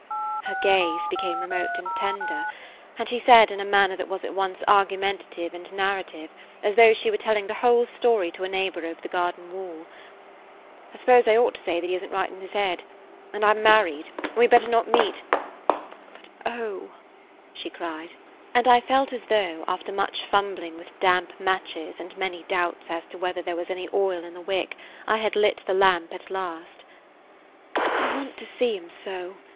"' Her gaze became remote and tender, and she said in a manner that was at once argumentative and narrative, as though she were telling the whole story to a neighbor over the garden wall: "I suppose I ought to say that he isn't right in his head, and that I 'm married, so we 'd better not meet; but, oh," she cried, and I felt as though, after much fumbling with damp matches and many doubts as to whether there was any oil in the wick, I had lit the lamp at last, "I want to see him so!